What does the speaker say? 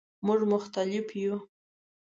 مونږ مختلف یو